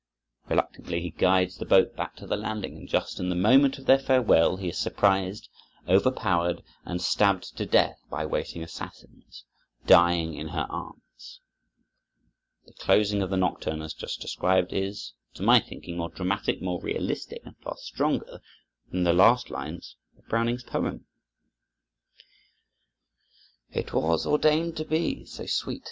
Reluctantly he guides the boat back to the landing, and just in the moment of their farewell he is surprised, overpowered, and stabbed to death by waiting assassins, dying in her arms. The closing of the nocturne as just described is, to my thinking, more dramatic, more realistic, and far stronger than the last lines of Browning's poem: "It was ordained to be so, sweet!